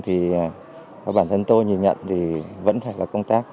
thì bản thân tôi nhìn nhận thì vẫn phải là công tác